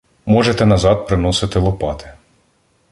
Можете назад приносити лопати.